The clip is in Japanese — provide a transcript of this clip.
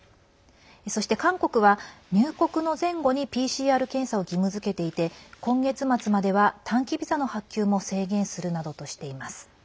そして、韓国は入国の前後にＰＣＲ検査を義務づけていて今月末までは短期ビザの発給も制限するなどとしています。